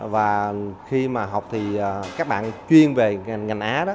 và khi mà học thì các bạn chuyên về ngành á đó